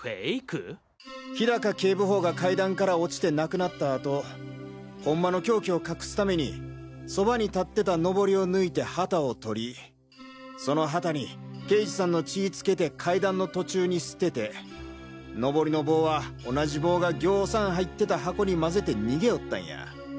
氷高警部補が階段から落ちて亡くなった後ホンマの凶器を隠すためにそばに立ってたノボリを抜いて旗を取りその旗に刑事さんの血ぃ付けて階段の途中に捨ててノボリの棒は同じ棒がぎょさん入ってた箱に混ぜて逃げよったんや！